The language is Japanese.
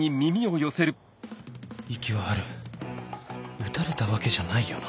息はある撃たれたわけじゃないよな